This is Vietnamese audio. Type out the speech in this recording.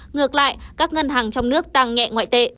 ngược lại các ngân hàng trong nước tăng nhẹ ngoại tệ